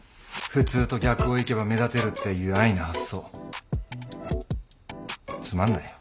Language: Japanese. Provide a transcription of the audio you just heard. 普通と逆を行けば目立てるっていう安易な発想つまんないよ。